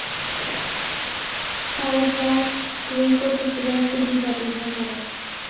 Cypress Greek ও তুর্কিদের একটি দ্বি-জাতীয় সম্প্রদায়।